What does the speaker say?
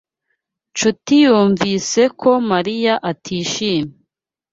Nshuti yumvise ko Mariya atishimye.